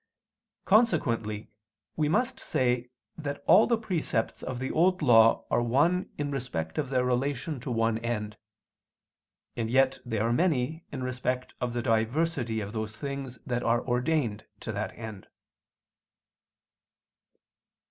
Consequently we must say that all the precepts of the Old Law are one in respect of their relation to one end: and yet they are many in respect of the diversity of those things that are ordained to that end.